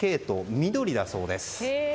緑だそうです。